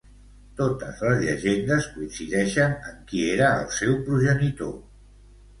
Totes les llegendes coincideixen en qui era el seu progenitor?